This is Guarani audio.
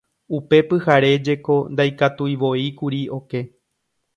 Upe pyhare jeko ndaikatuivoíkuri oke